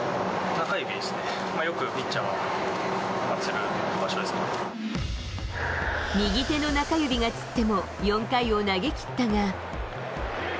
中指ですね、よくピッチャーは、右手の中指がつっても４回を投げ切ったが。